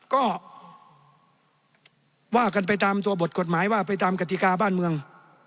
ก็ว่ากันไปตามตัวบทกฎหมายว่าไปตามกติกาบ้านเมือง